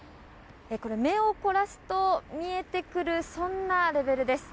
目を凝らすと見えてくるそんなレベルです。